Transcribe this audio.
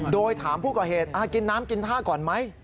โดยถามผู้ก่อเหตุกินน้ำกินท่าก่อนไหม